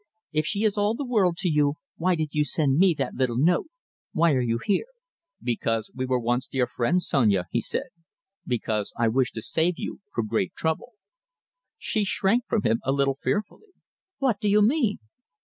If she is all the world to you, why did you send me that little note? Why are you here?" "Because we were once dear friends, Sonia," he said, "because I wish to save you from great trouble." She shrank from him a little fearfully. "What do you mean?"